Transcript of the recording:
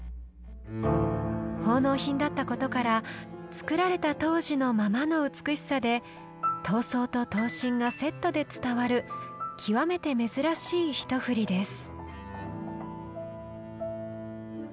奉納品だったことから作られた当時のままの美しさで刀装と刀身がセットで伝わる極めて珍しい一振りです。